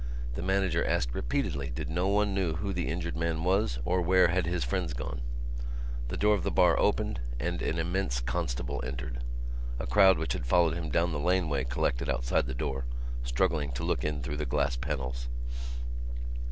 The manager asked repeatedly did no one know who the injured man was or where had his friends gone. The door of the bar opened and an immense constable entered. A crowd which had followed him down the laneway collected outside the door, struggling to look in through the glass panels.